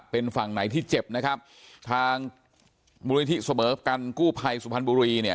เป็นฝั่งไหนที่เจ็บนะครับทางมูลนิธิเสมอกันกู้ภัยสุพรรณบุรีเนี่ย